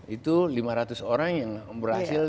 itu lima ratus orang yang berhasil